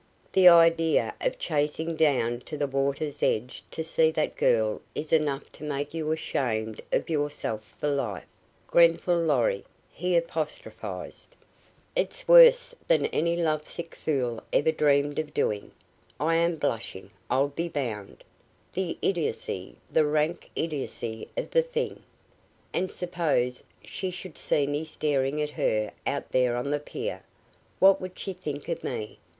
"The idea of chasing down to the water's edge to see that girl is enough to make you ashamed of yourself for life, Grenfall Lorry," he apostrophized. "It's worse than any lovesick fool ever dreamed of doing. I am blushing, I'll be bound. The idiocy, the rank idiocy of the thing! And suppose she should see me staring at her out there on the pier? What would she think of me?